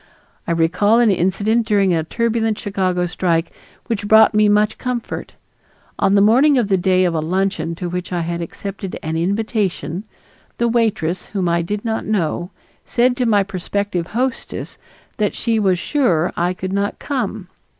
I recall an incident during a turbulent Chicago strike which brought me much comfort. On the morning of the day of a luncheon to which I had accepted an invitation, the waitress, whom I did not know, said to my prospective hostess that she was sure I could not come.